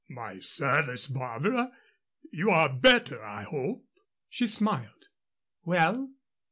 "My service, Barbara. You are better, I hope." She smiled. "Well?"